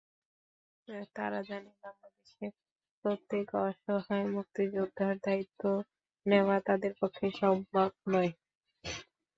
তারা জানে, বাংলাদেশের প্রত্যেক অসহায় মুক্তিযোদ্ধার দায়িত্ব নেওয়া তাদের পক্ষে সম্ভব নয়।